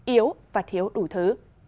yếu và thiếu đủ thứ